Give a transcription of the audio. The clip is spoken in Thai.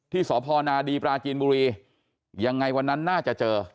สพนาดีปราจีนบุรียังไงวันนั้นน่าจะเจอ